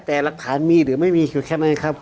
แต่หลักฐานมีหรือไม่มีคือแค่นั้นครับ